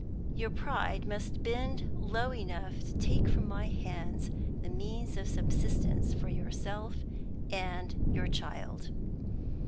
Your pride must bend low enough to take from my hands the means of subsistence for yourself and your child.